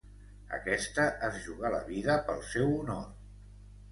Aquesta es jugar la vida pel seu honor.